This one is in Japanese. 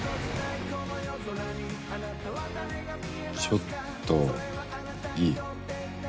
ちょっといい？